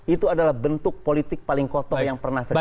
itu adalah bentuk politik paling kotor yang pernah terjadi